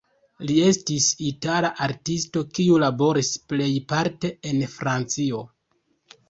Li estis itala artisto kiu laboris plejparte en Francio.